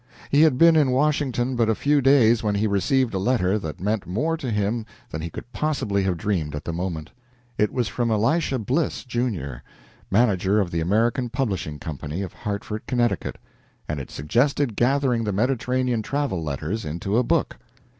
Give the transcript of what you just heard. He had been in Washington but a few days when he received a letter that meant more to him than he could possibly have dreamed at the moment. It was from Elisha Bliss, Jr., manager of the American Publishing Company, of Hartford, Connecticut, and it suggested gathering the Mediterranean travel letters into a book.